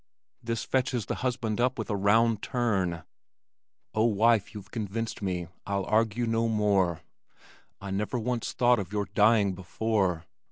This fetches the husband up with a round turn: Oh, wife, you've convinced me, I'll argue no more, I never once thought of your dying before.